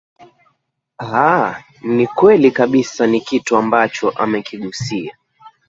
aa ni kweli kabisa ni kitu ambacho amekigusia